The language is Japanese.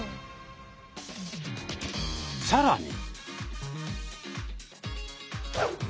さらに。